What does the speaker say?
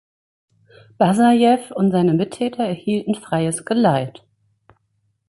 Bassajew und seine Mittäter erhielten freies Geleit.